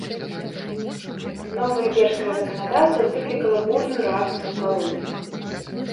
Новае імперскае заканадаўства выклікала бурную рэакцыю ў калоніях.